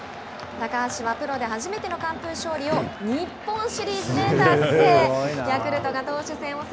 高橋はプロで初めての完封勝利を日本シリーズで達成。